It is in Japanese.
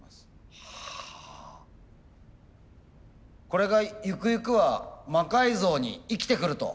これがゆくゆくは魔改造に生きてくると？